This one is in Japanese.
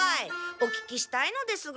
お聞きしたいのですが。